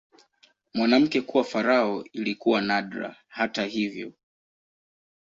Mwanamke kuwa farao ilikuwa nadra, hata hivyo.